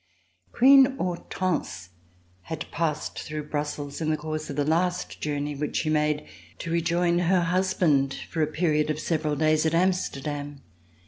Queen Hortense had passed through Brussels in the course of the last journey which she made to rejoin her husband for a period of several days at Amsterdam.